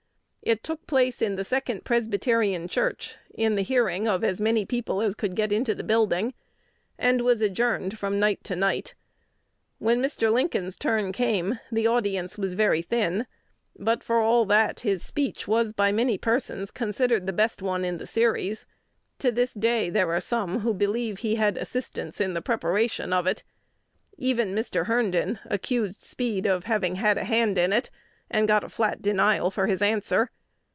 It took place in the Second Presbyterian Church, in the hearing of as many people as could get into the building, and was adjourned from night to night. When Mr. Lincoln's turn came, the audience was very thin; but, for all that, his speech was by many persons considered the best one of the series. To this day, there are some who believe he had assistance in the preparation of it. Even Mr. Herndon accused Speed of having "had a hand in it," and got a flat denial for his answer.